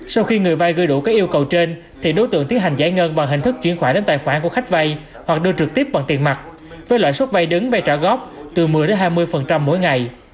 sau khi người vay gửi đủ các yêu cầu trên thì đối tượng tiến hành giải ngân bằng hình thức chuyển khoản đến tài khoản của khách vay hoặc đưa trực tiếp bằng tiền mặt với loại suất vay đứng vay trả góp từ một mươi hai mươi mỗi ngày